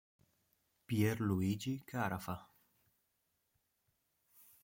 Pier Luigi Carafa